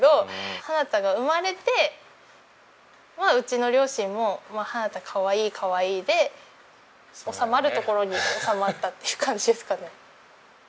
花太が生まれてうちの両親も花太かわいいかわいいで収まるところに収まったっていう感じですかね。